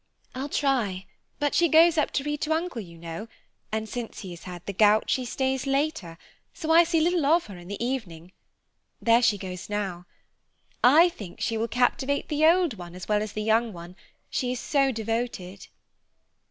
"I'll try, but she goes up to read to Uncle, you know, and since he has had the gout, she stays later, so I see little of her in the evening. There she goes now. I think she will captivate the old one as well as the young one, she is so devoted."